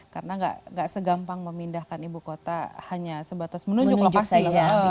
karena gak segampang memindahkan ibu kota hanya sebatas menunjuk lokasi